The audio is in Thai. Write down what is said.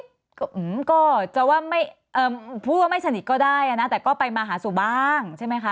พูดว่าไม่สนิทก็ได้นะแต่ก็ไปมาหาสู่บ้างใช่ไหมคะ